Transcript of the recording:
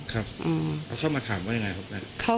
ครับแล้วเข้ามาถามว่ายังไงครับ